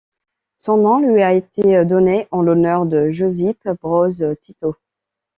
Son nom lui a été donné en l'honneur de Josip Broz Tito.